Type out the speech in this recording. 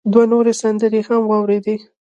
دوه نورې سندرې يې هم واورېدې.